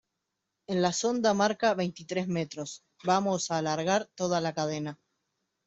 en la sonda marca veintitrés metros. vamos a alargar toda la cadena